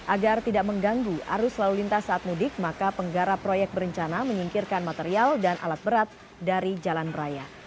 agar tidak mengganggu arus lalu lintas saat mudik maka penggarap proyek berencana menyingkirkan material dan alat berat dari jalan raya